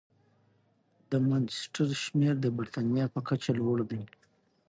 د مانچسټر شمېر د بریتانیا په کچه لوړ دی.